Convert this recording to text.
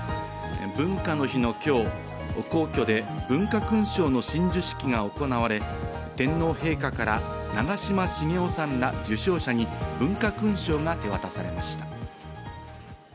文化の日の今日、皇居で文化勲章の親授式が行われ、天皇陛下から長嶋茂雄さんら受章者に文化勲章が手渡されました。